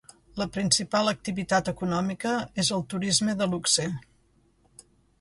La principal activitat econòmica és el turisme de luxe.